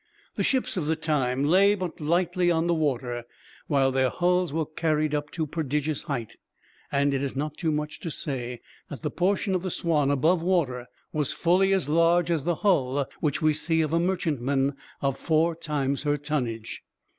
The ships of the time lay but lightly on the water, while their hulls were carried up to a prodigious height; and it is not too much to say that the portion of the Swanne, above water, was fully as large as the hull which we see of a merchantman of four times her tonnage.